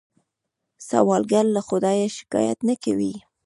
سوالګر له خدایه شکايت نه کوي